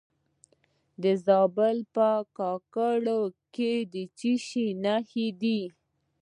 د زابل په کاکړ کې د څه شي نښې دي؟